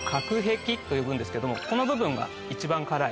と呼ぶんですけどもこの部分が一番辛い。